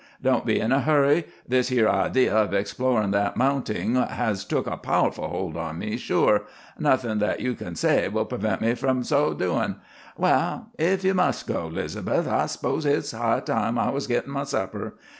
Don't be in a hurry. This here idee of explorin' that mounting has took a powerful hold on me, sure. Nothin' that you can say will prevent me from so doin'. Well, if you must go, 'Liz'beth, I s'pose hit's high time I was gittin' my supper.